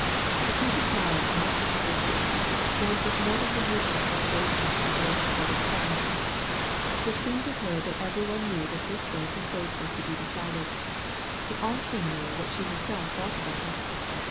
j The Princess Mariya on this particular day, went with more i than her usual trepidation to the door of her father's cabinet i It seemed to her that every one knew that this day her fate ' was to be decided, but also knew what she herself felt about , it.